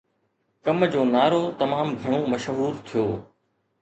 ڪم جو نعرو تمام گهڻو مشهور ٿيو